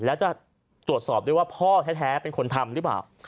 แล้วจะตรวจสอบด้วยว่าพ่อแท้เป็นคนทำหรือเปล่า